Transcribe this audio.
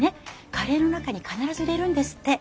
カレーの中に必ず入れるんですって。